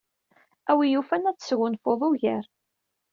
A win yufan ad tesgunfud ugar.